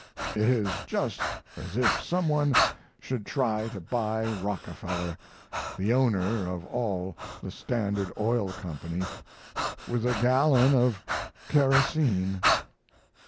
It is just as if some one should try to buy Rockefeller, the owner of all the Standard Oil Company, with a gallon of kerosene."